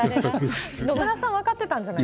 野村さん、分かってたんじゃない？